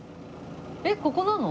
えっここなの？